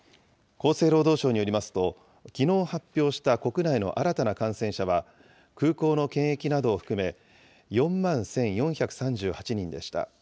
厚生労働省によりますと、きのう発表した国内の新たな感染者は、空港の検疫などを含め、４万１４３８人でした。